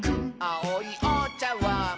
「あおいおちゃわん」